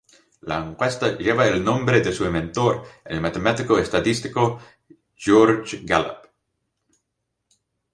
La encuesta lleva el nombre de su inventor, el matemático estadístico George Gallup.